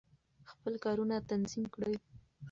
خپل کارونه تنظیم کړئ.